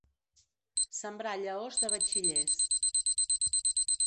Sembrar llaors de batxillers.